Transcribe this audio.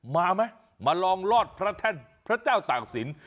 มาไหมมาลองรอดประธานพระเจ้าตากสิน